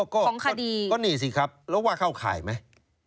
ก็ของคดีก็นี่สิครับแล้วว่าเข้าข่ายไหม